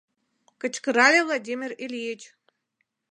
— кычкырале Владимир Ильич.